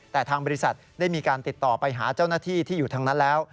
แต่ทางบริษัทได้มีการติดต่อไปหาเจ้าหน้าที่ที่อยู่ทางนั้นแล้ว